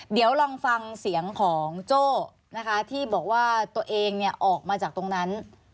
เดี๋ยวลองฟังเสียงของโจ้นะคะที่บอกว่าตัวเองออกมาจากตรงนั้น